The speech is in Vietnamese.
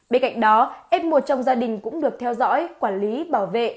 bên cạnh đó f một trong gia đình cũng được theo dõi quản lý bảo vệ